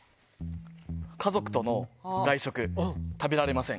家族との外食、食べられません。